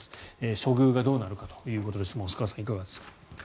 処遇がどうなるかということですが細川さん、いかがですか？